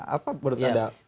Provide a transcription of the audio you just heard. apa menurut anda